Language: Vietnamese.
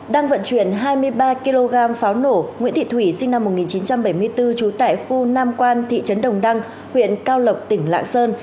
đang vận chuyển hai mươi ba kg pháo nổ nguyễn thị thủy sinh năm một nghìn chín trăm bảy mươi bốn trú tại khu nam quan thị trấn đồng đăng huyện cao lộc tỉnh lạng sơn